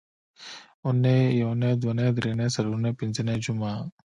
اونۍ، یونۍ، دونۍ، درېنۍ، څلورنۍ، پینځنۍ، جمعه